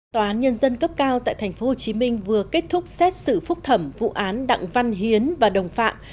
tòa án nhân dân cấp cao tại tp hcm vừa kết thúc xét xử phúc thẩm vụ án đặng văn hiến và đồng phạm